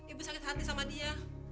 ibu sakit hati sama dia